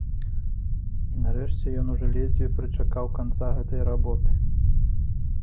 І нарэшце ён ужо ледзьве прычакаў канца гэтай работы.